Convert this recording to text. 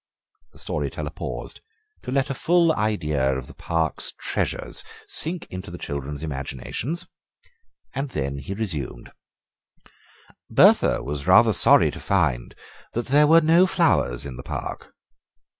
The story teller paused to let a full idea of the park's treasures sink into the children's imaginations; then he resumed: "Bertha was rather sorry to find that there were no flowers in the park.